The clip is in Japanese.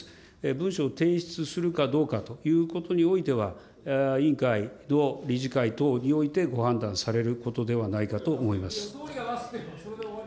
文書を提出するかどうかということにおいては、委員会等、理事会等においてご判断されることではないかと思います。